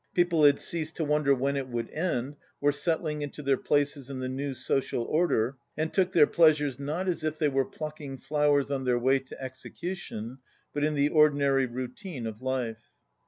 People had ceased to wonder when it would end, were settling into their places in the new social order, and took their pleasures not as if they were plucking flowers on their way to execution, but in the ordinary routine of life.